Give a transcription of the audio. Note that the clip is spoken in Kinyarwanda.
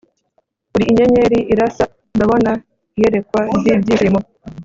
uri inyenyeri irasa ndabona, iyerekwa ryibyishimo